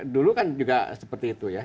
dulu kan juga seperti itu ya